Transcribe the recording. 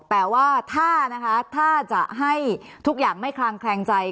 แปลว่าถ้าจะให้ทุกอย่างไม่คลางแคลงใจ